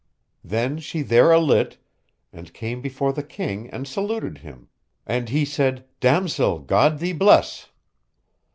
Then she there alit, and came before the king and saluted him; and he said: Damosel, God thee bless.